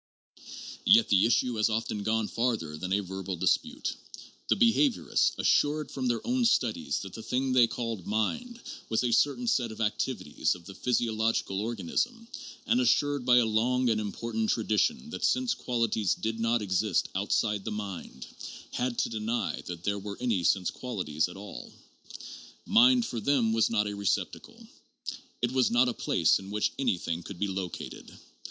Yet the issue has often gone further than a verbal dispute. The behaviorists, assured from their own studies that the thing they called mind was a certain set of activities of the physiological organ ism, and assured by a long and important tradition that sense quali ties did not exist outside the mind, had to deny that there were any sense qualities at all. Mind for them was not a receptacle: it was not a place in which anything could be located.